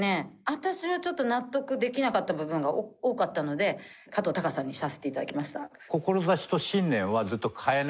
私はちょっと納得できなかった部分が多かったので加藤鷹さんにさせて頂きました。